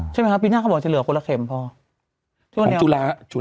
ใช่ไหมครับปีหน้าเขาบอกจะเหลือภูเข้มเฉพาะของชุระชุระ